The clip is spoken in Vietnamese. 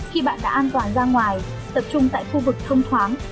khi bạn đã an toàn ra ngoài tập trung tại khu vực thông khoáng